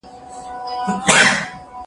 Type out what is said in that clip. شریعت د ژوند یوه مکمله تګلاره ده.